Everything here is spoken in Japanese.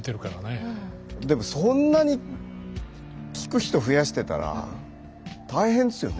でもそんなに聞く人増やしてたら大変ですよね。